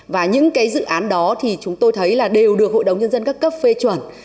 và những cái dự án đó thì chúng tôi thấy là đều được hội đồng nhân dân các cấp phê chuẩn